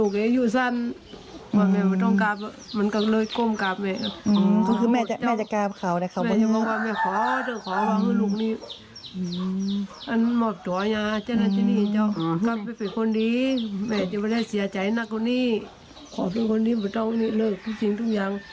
คือแม่กราบก็มันก็บอกถ้าแม่กราบแล้วลูกเองอยู่สั้น